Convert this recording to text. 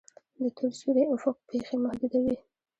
د تور سوري افق پیښې محدوده وي.